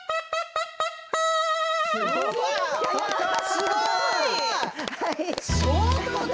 すごい！